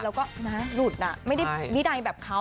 แล้วก็นะหลุดไม่ได้มิดัยแบบเขา